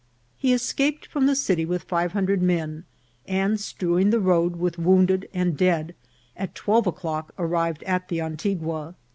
He escaped from the city with five hundred men, and strewing the road with wounded and dead, at twelve o'clock arrived at the Antigua.